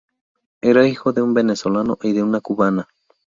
Era hijo de un venezolano y de una cubana.